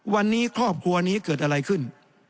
วันนี้ครอบครัวนี้เกิดอะไรขึ้น